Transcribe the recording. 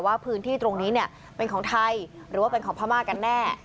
ว่าพื้นที่ตรงนี้เนี่ยเป็นของไทยหรือว่าเป็นของพม่ากันแน่